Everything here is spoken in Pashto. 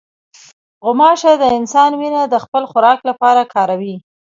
غوماشه د انسان وینه د خپل خوراک لپاره کاروي.